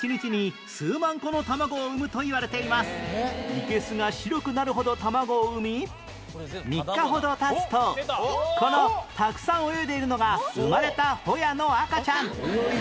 いけすが白くなるほど卵を産み３日ほど経つとこのたくさん泳いでいるのが生まれたホヤの赤ちゃん